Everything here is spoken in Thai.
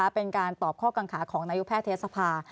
เป็นการตอบข้อกังขาของนายกแพทยศภา